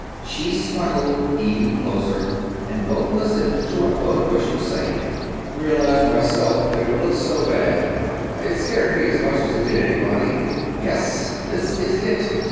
She snuggled even closer, and both listened to what Rodebush was saying. "... realize myself that it would look so bad; it scared me as much as it did anybody. Yes, this is IT.